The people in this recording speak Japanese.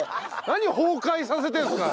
何崩壊させてるんですか？